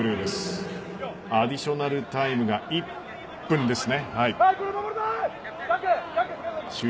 アディショナルタイム１分です。